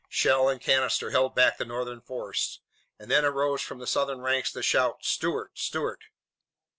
Shell and canister held back the Northern force, and then arose from the Southern ranks the shout: "Stuart! Stuart!"